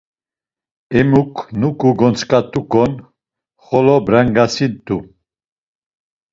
Emuk nunk̆u gontzk̆at̆uk̆on xolo brangasint̆u.